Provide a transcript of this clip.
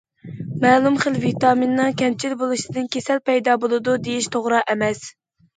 مەلۇم خىل ۋىتامىننىڭ كەمچىل بولۇشىدىن كېسەل پەيدا بولىدۇ، دېيىش توغرا ئەمەس.